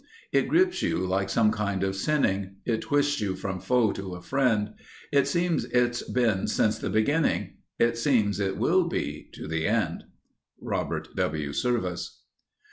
It grips you like some kinds of sinning; It twists you from foe to a friend; It seems it's been since the beginning; It seems it will be to the end." —_Robert W. Service.